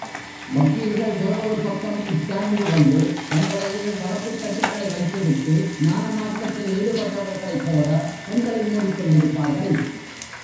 வக்கீல்கள் வேறோர் பக்கம் உட்கார்ந்துகொண்டு தங்கள் எதிரில் வழக்குக் கட்டுகளை வைத்துவிட்டு ஞான மார்க்கத்தில் ஈடுபட்டவர்களைப் போல கண்களை மூடிக்கொண்டிருப்பார்கள்.